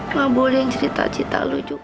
nggak boleh yang cerita cita lo juga